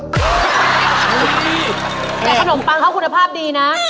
แต่ขนมปังเขาคุณภาพดีนะ